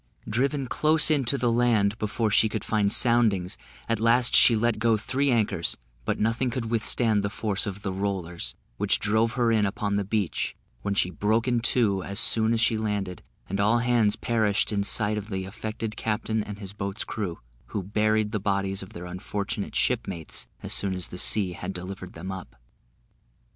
Driven close in to the land before she could find soundings, at last she let go three anchors; but nothing could withstand the force of the "Rollers," which drove her in upon the beach, when she broke in two as soon as she landed, and all hands perished in sight of the affected captain and his boat's crew, who buried the bodies of their unfortunate shipmates as soon as the sea had delivered them up.